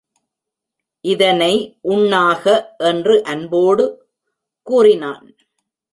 இதனை உண்ணாக! என்று அன்போடு கூறினான்.